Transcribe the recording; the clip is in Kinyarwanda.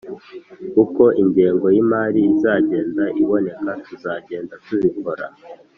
uko ingengo y’imari izagenda iboneka tuzagenda tubikor